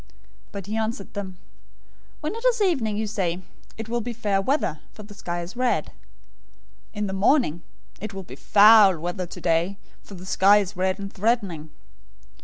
016:002 But he answered them, "When it is evening, you say, 'It will be fair weather, for the sky is red.' 016:003 In the morning, 'It will be foul weather today, for the sky is red and threatening.'